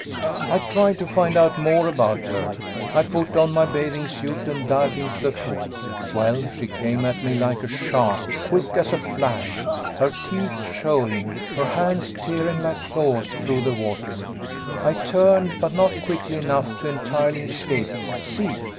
"I tried to find out more about her. I put on my bathing suit and dived into the pool. Well, she came at me like a shark, quick as a flash, her teeth showing, her hands tearing like claws through the water. I turned, but not quickly enough to entirely escape. See?"